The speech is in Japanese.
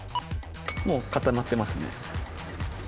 もう固まってますね。